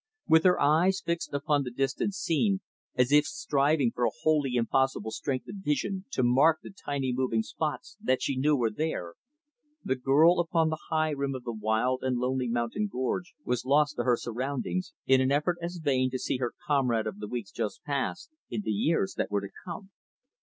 With her eyes fixed upon the distant scene, as if striving for a wholly impossible strength of vision to mark the tiny, moving spots that she knew were there, the girl upon the high rim of the wild and lonely mountain gorge was lost to her surroundings, in an effort, as vain, to see her comrade of the weeks just past, in the years that were to come.